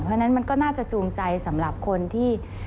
เพราะฉะนั้นมันก็น่าจะจูงใจสำหรับคนที่